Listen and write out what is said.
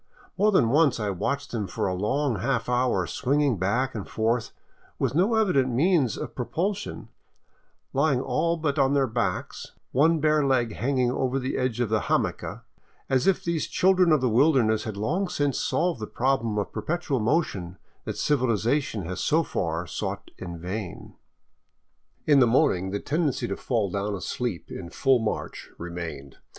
More than once I watched them for a long half hour swinging back and forth with no evident means of propul sion, lying all but on their backs, one bare leg hanging over the edge o£ the hamaca, as if these children of the wilderness had long since solved the problem of perpetual motion that civilization has so far sought in vain. In the morning the tendency to fall down asleep in full march re mained.